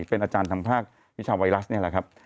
เป็นอาจารย์ทางภาควิชาไวรัสนี่แหละครับ